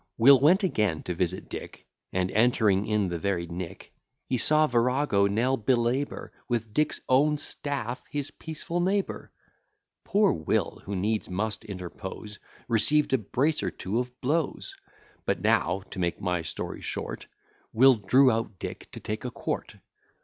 Will went again to visit Dick; And entering in the very nick, He saw virago Nell belabour, With Dick's own staff, his peaceful neighbour. Poor Will, who needs must interpose, Received a brace or two of blows. But now, to make my story short, Will drew out Dick to take a quart.